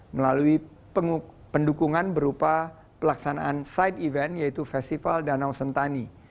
melalui pendukungan berupa pelaksanaan site event yaitu festival danau sentani